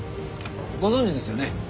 ご存じですよね？